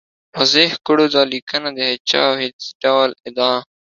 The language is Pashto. واضح کړو، دا لیکنه د هېچا او هېڅ ډول ادعا